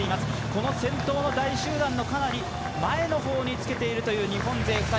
この先頭の大集団のかなり前の方につけているという日本勢２人。